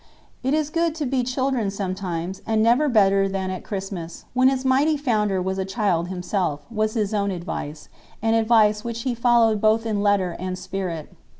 "It is good to be children sometimes, and never better than at Christmas, when its Mighty Founder was a child himself," was his own advice, and advice which he followed both in letter and spirit.